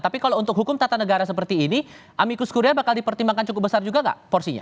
tapi kalau untuk hukum tata negara seperti ini amikus kuria bakal dipertimbangkan cukup besar juga nggak porsinya